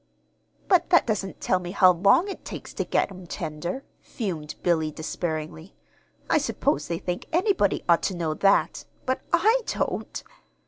"But that doesn't tell me how long it takes to get 'em tender," fumed Billy, despairingly. "I suppose they think anybody ought to know that but I don't!"